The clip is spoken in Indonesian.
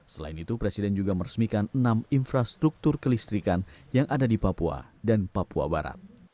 selain itu presiden juga meresmikan enam infrastruktur kelistrikan yang ada di papua dan papua barat